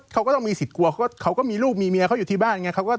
เขาก็ต้องมีสิทธิ์กลัวเขาก็มีลูกมีเมียเขาอยู่ที่บ้านไง